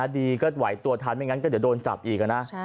ดีก็ไหวตัวทันไม่งั้นก็เดี๋ยวโดนจับอีกนะ